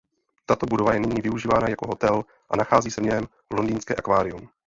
Tato budova je nyní využívána jako hotel a nachází se v něm Londýnské akvárium.